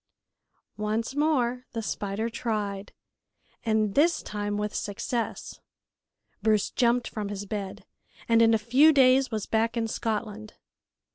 Once more the spider tried, and this time with success. Bruce jumped from his bed, and in a few days was back in Scotland.